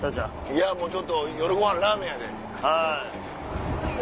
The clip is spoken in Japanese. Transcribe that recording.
いやもうちょっと夜ごはんラーメンやで。